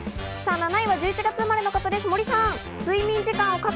７位は１１月生まれの方です、森さん。